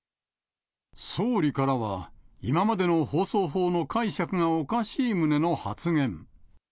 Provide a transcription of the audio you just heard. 総理からは、今までの放送法の解釈がおかしい旨の発言。